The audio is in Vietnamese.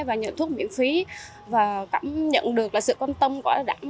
và nhận thuốc miễn phí và cảm nhận được sự quan tâm của đảng